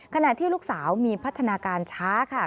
ขณะที่ลูกสาวมีพัฒนาการช้าค่ะ